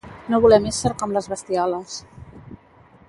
No volem ésser com les bestioles